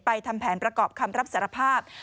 ทำแผนประกอบคำรับสารภาพ